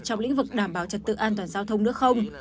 trong lĩnh vực đảm bảo trật tự an toàn giao thông nữa không